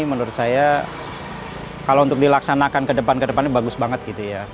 menurut saya kalau untuk dilaksanakan ke depan ke depannya bagus banget gitu ya